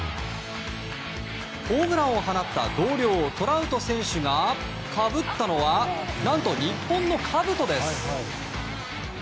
ホームランを放った同僚トラウト選手がかぶったのは何と、日本のかぶとです。